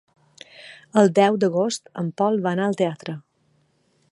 El deu d'agost en Pol vol anar al teatre.